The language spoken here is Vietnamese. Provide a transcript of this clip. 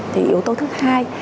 thì yếu tố thứ hai